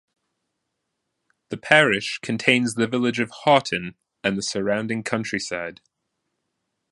The parish contains the village of Haughton and the surrounding countryside.